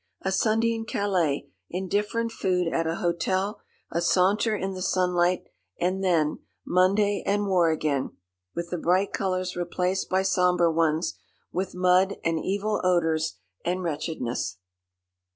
A Sunday in Calais, indifferent food at a hotel, a saunter in the sunlight, and then Monday and war again, with the bright colours replaced by sombre ones, with mud and evil odours and wretchedness.